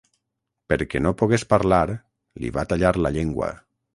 Perquè no pogués parlar li va tallar la llengua.